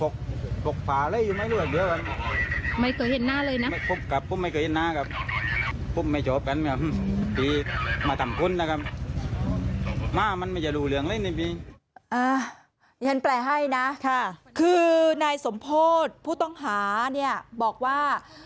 คือนายสมโพธิ์ผู้ต้องหาบอกว่า